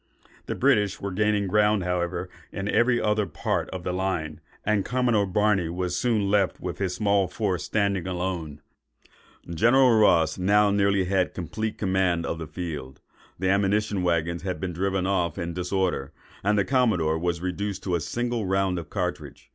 The British were gaining ground, however, in every other part of the line; and Commodore Barney was soon left with his small force standing alone. General Ross had now nearly complete command of the field; the ammunition waggons had been driven off in the disorder, and the commodore was reduced to a single round of cartridge.